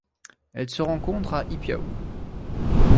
Elle se rencontre à Ipiaú.